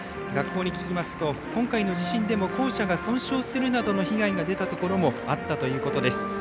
学校に聞きますと今回の地震でも校舎が損傷するなどの被害が出たところもあったということです。